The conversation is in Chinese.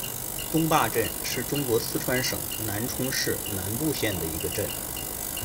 东坝镇是中国四川省南充市南部县的一个镇。